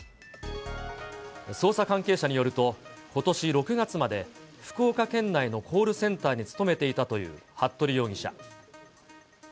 捜査関係者によると、ことし６月まで、福岡県内のコールセンターに勤めていたという服部容疑者。